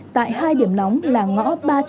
tại hai điểm nóng là ngõ ba trăm hai mươi tám